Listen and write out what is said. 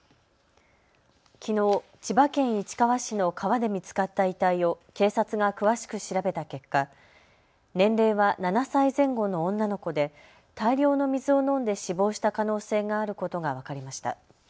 きのう千葉県市川市の川で見つかった遺体を警察が詳しく調べた結果、年齢は７歳前後の女の子で大量の水を飲んで死亡した可能性があることが分かりました。